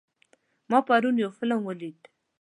ما پرون یو فلم ولید.